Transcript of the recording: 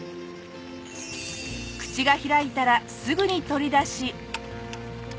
口が開いたらすぐに取り出し。